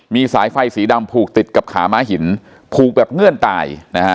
มีสายไฟสีดำผูกติดกับขาม้าหินผูกแบบเงื่อนตายนะฮะ